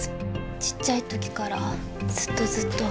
ちっちゃい時からずっとずっと。